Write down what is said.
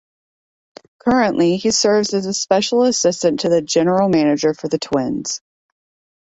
Currently, he serves as a Special Assistant to the General Manager for the Twins.